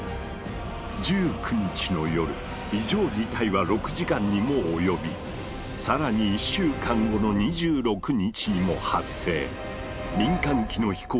１９日の夜異常事態は６時間にも及び更に１週間後の２６日にも発生。